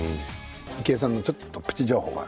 池江さんのちょっとプチ情報があるんです。